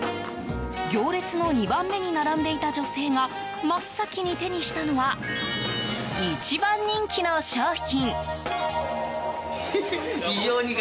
行列の２番目に並んでいた女性が真っ先に手にしたのは一番人気の商品。